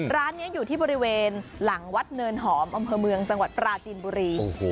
ร้านนี้อยู่ที่บริเวณหลังวัดเนินหอมอำเภอเมืองจังหวัดปราจีนบุรี